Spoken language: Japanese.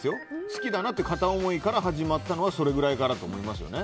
好きだなって片思いから始まったのはそのくらいからかなと思いますよね。